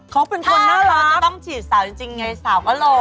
เขาเป็นคนน่ารักใช่พวกนี้ต้องฉี่ดสาวจริงง่ายสาวก็หลง